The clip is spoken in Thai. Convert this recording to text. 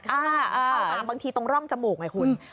เขาบางทีต้องร่องจมูกไหมคุณ